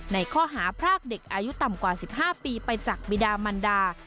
ในข้อหาพรากเด็กอายุต่ำกว่า๑๕ปีไปจากบิดามันดา